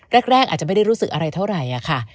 แรกอาจจะไม่ได้รู้สึกอะไรเท่าไหร่ค่ะ